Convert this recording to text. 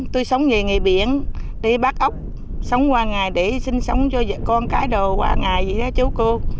tôi sống về nghề biển đi bác ốc sống qua ngày để sinh sống cho con cái đồ qua ngày vậy chú cô